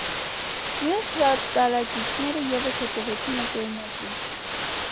Մյուս հրատարակիչները ևս հետևեցին այդ օրինակին։